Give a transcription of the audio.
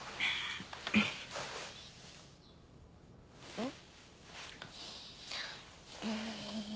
うん。